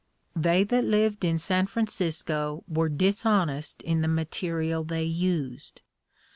They that lived in San Francisco were dishonest in the material they used.